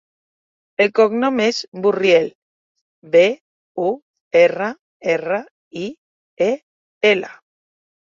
El cognom és Burriel: be, u, erra, erra, i, e, ela.